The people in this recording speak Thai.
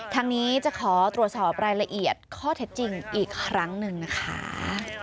ทางนี้จะขอตรวจสอบรายละเอียดข้อเท็จจริงอีกครั้งหนึ่งนะคะ